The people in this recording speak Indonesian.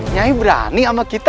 nyai berani sama kita